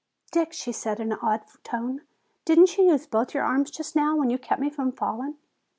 "Dick," she said in an awed tone, "didn't you use both your arms just now, when you kept me from falling?"